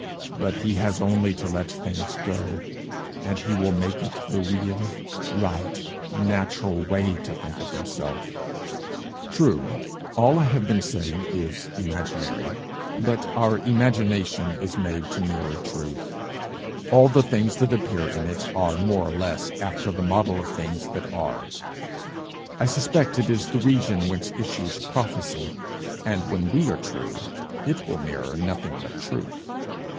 But he has only to let things go, and he will make it the real, right, natural way to think of himself. True, all I have been saying is imaginary; but our imagination is made to mirror truth; all the things that appear in it are more or less after the model of things that are; I suspect it is the region whence issues prophecy; and when we are true it will mirror nothing but truth.